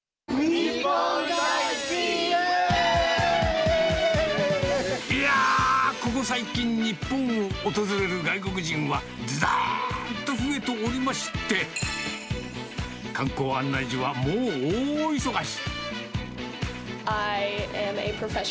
日本、いやー、ここ最近、日本を訪れる外国人はずーっと増えておりまして、観光案内所はもう大忙し。